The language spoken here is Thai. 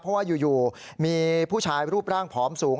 เพราะว่าอยู่มีผู้ชายรูปร่างผอมสูง